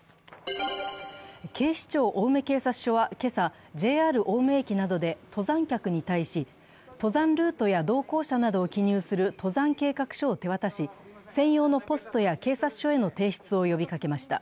警視庁青梅警察署は今朝ＪＲ青梅駅などで登山客に対し、登山ルートや同行者などを記入する登山計画書を手渡し、専用のポストや警察署への提出を呼びかけました。